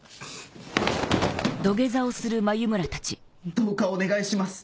どうかお願いします。